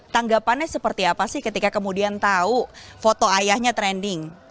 tanggapannya seperti apa sih ketika kemudian tahu foto ayahnya trending